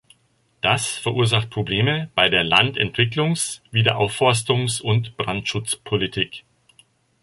Das verursacht Probleme bei der Landentwicklungs-, Wiederaufforstungs- und Brandschutzpolitik.